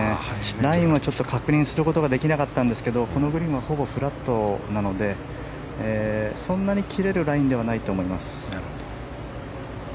ラインは確認することができなかったんですけどこのグリーンはほぼフラットなのでそんなに切れるラインではないと思います。